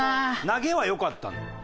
投げはよかったの？